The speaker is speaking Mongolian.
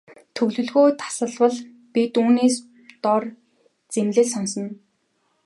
Төлөвлөгөө тасалбал бид түүнээс дор зэмлэл сонсоно.